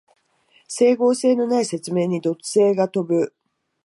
整合性のない説明に怒声が飛ぶ